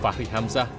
fahri hamzah kpu dan kpu